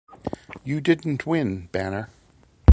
You didn't win, Banner.